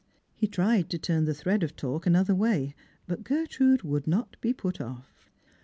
He tried to turn the thread of talk another way, but Gertrude would not be put off.